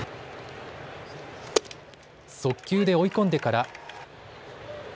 速球で追い込んでから。